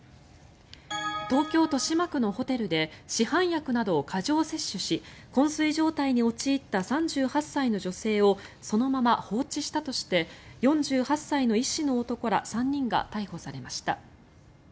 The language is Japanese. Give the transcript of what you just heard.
東京・豊島区のホテルで市販薬などを過剰摂取し昏睡状態に陥った３８歳の女性をそのまま放置したとして４８歳の医師の男ら３人が逮捕されました。